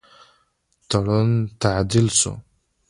تړون تعدیل سو.